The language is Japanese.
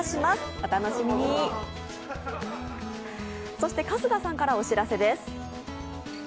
そして、春日さんからお知らせです。